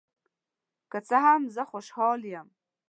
که څه هم، زه خوشحال یم.